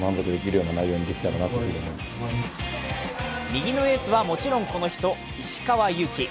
右のエースはもちろんこの人、石川祐希。